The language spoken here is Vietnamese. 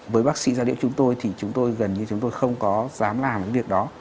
với bác sĩ gia liễu chúng tôi thì chúng tôi gần như chúng tôi không có dám làm cái việc đó